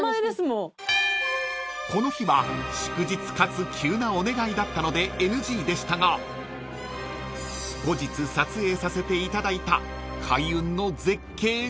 ［この日は祝日かつ急なお願いだったのでＮＧでしたが後日撮影させていただいた開運の絶景が］